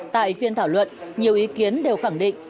tại phiên thảo luận nhiều ý kiến đều khẳng định